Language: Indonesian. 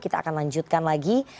kita akan lanjutkan lagi